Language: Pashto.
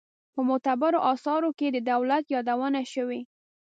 په معتبرو آثارو کې د دولت یادونه شوې.